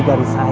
dari istri kamu